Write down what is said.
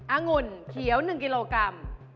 องุ่นเขียว๑กิโลกรัม